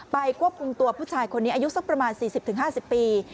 ควบคุมตัวผู้ชายคนนี้อายุสักประมาณ๔๐๕๐ปี